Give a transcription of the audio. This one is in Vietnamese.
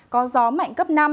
có gió mạnh cấp năm